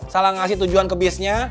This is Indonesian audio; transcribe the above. salah ngasih tujuan ke bisnya